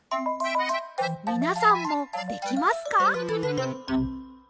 みなさんもできますか？